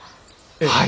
はい。